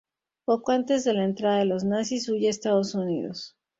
Poco antes de la entrada de los nazis, huye a Estados Unidos.